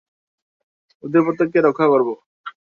ওদের প্রত্যেককে রক্ষা করবো!